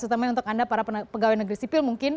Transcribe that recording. terutama untuk anda para pegawai negeri sipil mungkin